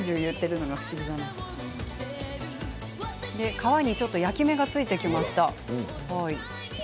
皮にちょっと焼き目がついてきます。